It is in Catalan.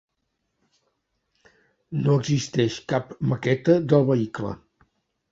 No existeix cap maqueta del vehicle.